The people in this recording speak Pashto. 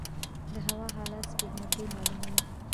د هوا حالات سپوږمکۍ معلوموي